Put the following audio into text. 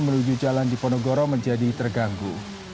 menuju jalan diponegoro menjadi terganggu